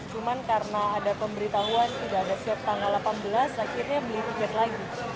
sebenarnya keberangkatannya tanggal sembilan belas cuman karena ada pemberitahuan tidak ada swab tanggal delapan belas akhirnya beli tiket lagi